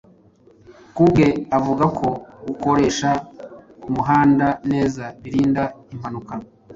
Ku bwe avuga ko gukoresha umuhanda neza birinda impanuka